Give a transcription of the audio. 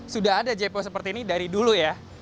sudah ada jpo seperti ini dari dulu ya